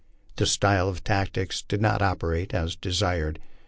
This style of tactics did not operate as desired.